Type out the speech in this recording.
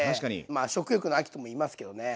まあ食欲の秋とも言いますけどね。